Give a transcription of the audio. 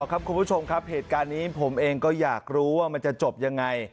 คุณผู้ชมครับเหตุการณ์นี้ผมเองก็อยากรู้ว่ามันจะจบยังไง